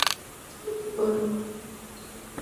চলো দ্রুত বেরিয়ে যাই।